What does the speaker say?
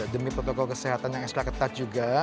demi protokol kesehatan yang ekstra ketat juga